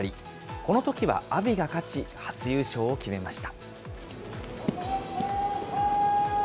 このときは阿炎が勝ち、初優勝を決めました。